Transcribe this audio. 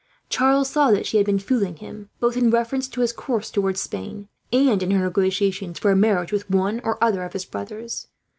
Charles saw that she had been fooling him, both in reference to his course towards Spain and in her negotiations for a marriage with one or other of his brothers.